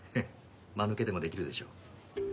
間抜けでもできるでしょ。